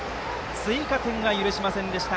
追加点は許しませんでした